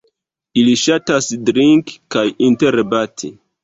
Ili ŝatas drinki kaj interbati.